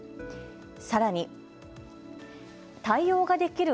さらに対応ができる